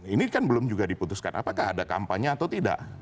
ini kan belum juga diputuskan apakah ada kampanye atau tidak